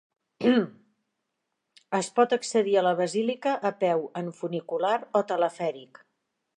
Es pot accedir a la basílica a peu, en funicular o telefèric.